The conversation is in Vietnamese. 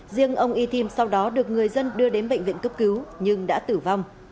riêng ông y thim sau đó được người dân đưa đến bệnh viện cấp cứu nhưng đã tử vong